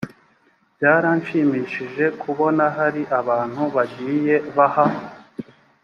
byaranshimishije kubona hari abantu bagiye baha